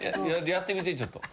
やってみてちょっと。